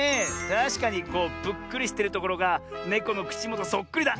たしかにこうぷっくりしてるところがネコのくちもとそっくりだ。